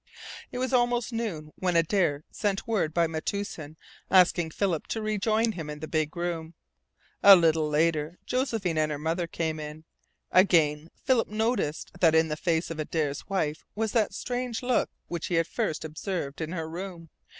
It was almost noon when Adare sent word by Metoosin asking Philip to rejoin him in the big room. A little later Josephine and her mother came in. Again Philip noticed that in the face of Adare's wife was that strange look which he had first observed in her room.